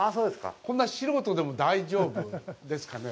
こんな素人でも大丈夫ですかね。